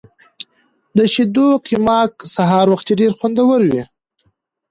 د شیدو قیماق سهار وختي ډیر خوندور وي.